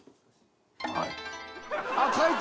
はい。